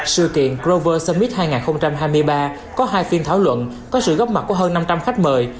sự kiện glover summit hai nghìn hai mươi ba có hai phiên thảo luận có sự góp mặt của hơn năm trăm linh khách mời